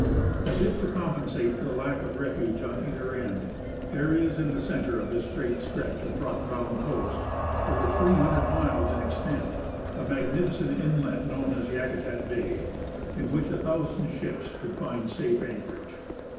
As if to compensate for the lack of refuge on either end, there is in the center of this great stretch of rock bound coast, over 300 miles in extent, a magnificent inlet known as Yakutat bay, in which a thousand ships could find safe anchorage.